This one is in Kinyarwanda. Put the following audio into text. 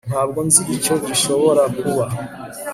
ntabwo nzi icyo gishobora kuba